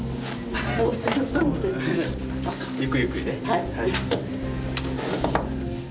はい。